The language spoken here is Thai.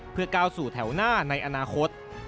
เพื่อก้าวสู่แถวหน้าในอนาคต